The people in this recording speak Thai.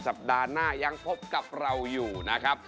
สัปดาห์หน้ายังพบกับเราอยู่นะครับ